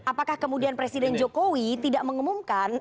apakah kemudian presiden jokowi tidak mengumumkan